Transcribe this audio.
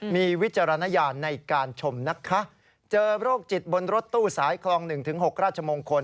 มีวิจารณญาณในการชมนะคะเจอโรคจิตบนรถตู้สายคลอง๑๖ราชมงคล